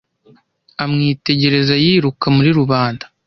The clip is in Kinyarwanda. Amwitegereza yiruka muri rubanda.